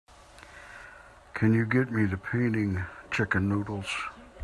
Can you get me the painting, Chicken Noodles?